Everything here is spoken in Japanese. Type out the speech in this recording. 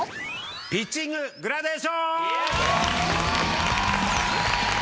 ピッチンググラデーション。